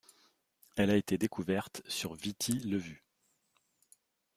Elle a été découverte sur Viti Levu.